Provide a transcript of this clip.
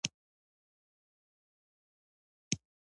د ماهر اکټر په څېر ځانګړې صحنې لټوي.